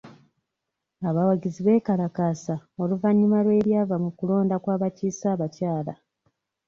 Abawagizi beekalakaasa oluvannyuma lw'ebyava mu kulonda kw'abakiise abakyala.